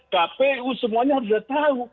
kpu semuanya harus sudah tahu